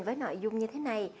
với nội dung như thế này